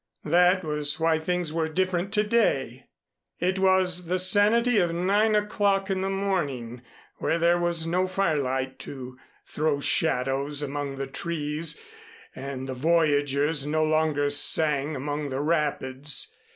That was why things were different to day. It was the sanity of nine o'clock in the morning, when there was no firelight to throw shadows among the trees and the voyageurs no longer sang among the rapids.